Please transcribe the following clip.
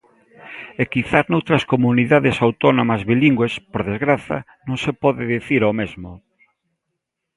E quizás noutras comunidades autónomas bilingües, por desgraza, non se pode dicir o mesmo.